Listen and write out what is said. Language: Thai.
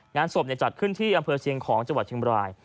งานศพจัดขึ้นที่อำเภอเชียงของจังหวัดเชียงบราย